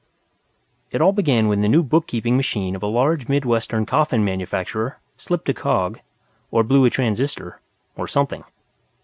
It all began when the new bookkeeping machine of a large Midwestern coffin manufacturer slipped a cog, or blew a transistor, or something.